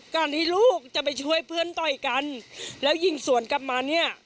การที่ลูกจะไปช่วยเพื่อนต่อยกันแล้วยิงสวนกลับมาเนี่ย